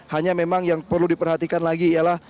hanya memang yang perlu diperhatikan lagi ialah